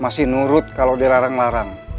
masih nurut kalau dilarang larang